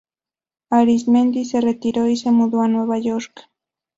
Arizmendi se retiró y se mudó a Nueva York.